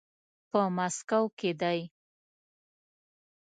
په ماسکو کې دی.